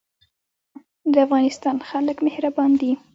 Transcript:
د افغانستان خلک مهربان دي